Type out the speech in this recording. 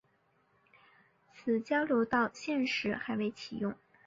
此交流道现时还未启用。